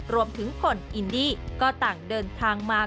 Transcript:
รวมถึงคนอินดี้ก็ต่างเดินทางมา